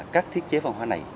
các thiết chế văn hóa này